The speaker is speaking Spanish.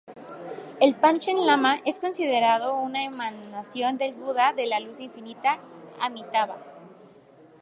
El panchen lama es considerado una emanación del Buda de la Luz Infinita, Amitābha.